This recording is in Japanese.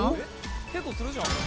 結構するじゃん。